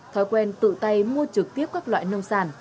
thói quen tự tay mua trực tiếp các loại nông sản